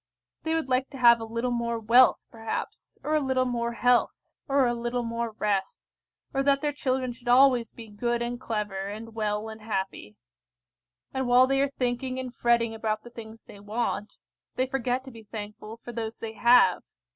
They would like to have a little more wealth, perhaps, or a little more health, or a little more rest, or that their children should always be good and clever, and well and happy. And while they are thinking and fretting about the things they want, they forget to be thankful for those they have.